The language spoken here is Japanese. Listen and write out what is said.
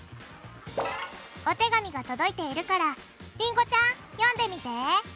お手紙が届いているからりんごちゃん読んでみて！